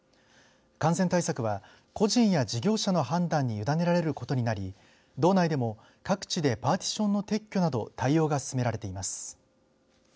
感染対策は個人や事業者の判断に委ねられることになり道内でも各地でパーティションの撤去など対応が進められています。